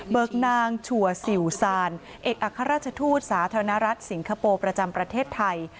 กนางชัวร์สิวซานเอกอัครราชทูตสาธารณรัฐสิงคโปร์ประจำประเทศไทย